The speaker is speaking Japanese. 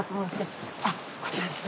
あ！こちら。